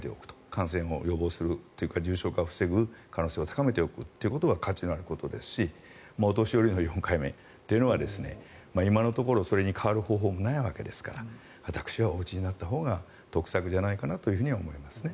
感染を予防する重症化を防ぐ可能性を高めておくことは価値のあることですしお年寄りの４回目というのは今のところそれに代わる方法がないわけですから私はお打ちになったほうが得策ではと思います。